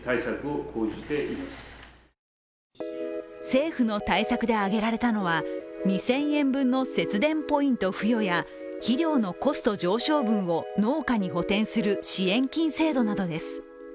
政府の対策で挙げられたのは２０００円分の節電ポイント付与や肥料のコスト上昇分を農家に補填する支援金制度などです。